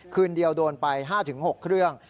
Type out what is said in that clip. คืนเดียวโดนไป๕๖เครื่อง